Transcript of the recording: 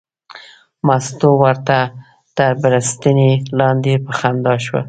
مستو ورته تر بړستنې لاندې په خندا شوه.